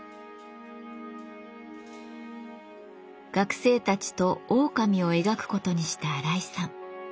学生たちとオオカミを描くことにした荒井さん。